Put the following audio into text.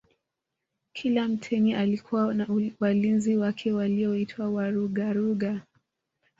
Kila mtemi alikuwa na walinzi wake walioitwa Warugaruga